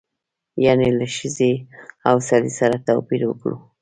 یعنې له ښځې او سړي سره توپیر وکړو.